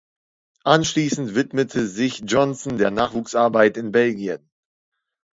Anschließend widmete sich Johnson der Nachwuchsarbeit in Belgien.